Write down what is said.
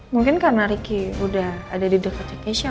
mungkin karena riki udah ada di dekatnya keisha